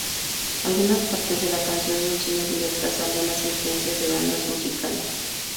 Algunas partes de la canción son señas directas a algunas influencias de bandas musicales.